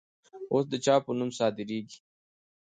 اوس د چا په نوم صادریږي؟